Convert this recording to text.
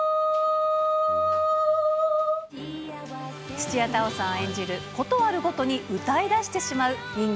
土屋太鳳さん演じる、ことあるごとに歌いだしてしまう人間